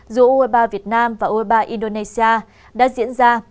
giữa uefa việt nam và uefa indonesia đã diễn ra